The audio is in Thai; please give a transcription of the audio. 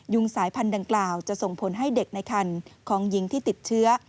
สายพันธุ์ดังกล่าวจะส่งผลให้เด็กในคันของหญิงที่ติดเชื้อ